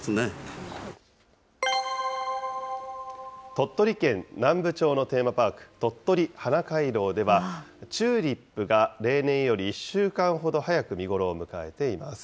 鳥取県南部町のテーマパーク、とっとり花回廊では、チューリップが例年より１週間ほど早く見頃を迎えています。